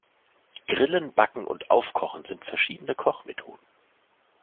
Grillen, Backen und Aufkochen sind verschiedene Kochmethoden.